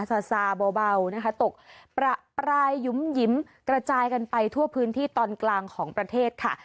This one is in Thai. ซาซาเบานะคะตกประปรายหยุ่มหยิมกระจายกันไปทั่วพื้นที่ตอนกลางของประเทศค่ะ